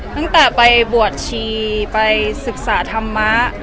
ตั้งแต่ไปบวชชีไปศึกษาธรรมะ